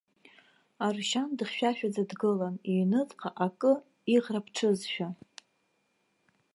Арушьан дыхьшәашәаӡа дгылан, иҩныҵҟа акы иӷраԥҽызшәа.